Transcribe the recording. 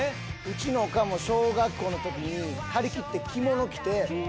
うちのおかんも小学校のときに張り切って着物着て。